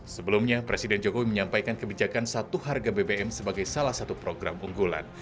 sebelumnya presiden jokowi menyampaikan kebijakan satu harga bbm sebagai salah satu program unggulan